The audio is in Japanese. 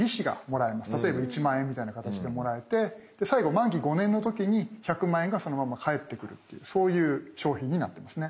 例えば１万円みたいな形でもらえて最後満期５年の時に１００万円がそのまま返ってくるっていうそういう商品になってますね。